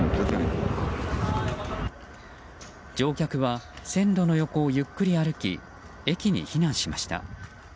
乗客は線路の横をゆっくり歩き駅に避難しました。